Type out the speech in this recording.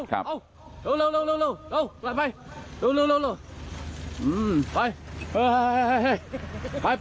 เร็วไป